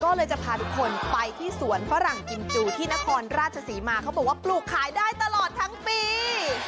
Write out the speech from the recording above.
ก็เลยจะพาทุกคนไปที่สวนฝรั่งกิมจูที่นครราชศรีมาเขาบอกว่าปลูกขายได้ตลอดทั้งปี